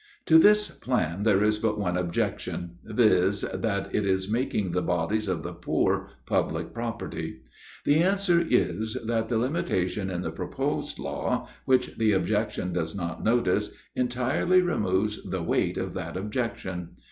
To this plan there is but one objection, viz. that it is making the bodies of the poor public property. The answer is, that the limitation in the proposed law, which the objection does not notice, entirely removes the weight of that objection.